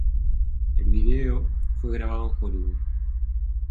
El vídeo, fue grabado en Hollywood.